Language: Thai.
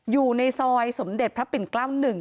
อยู่ในซอยสมเด็จพระปิ่นเกล้า๑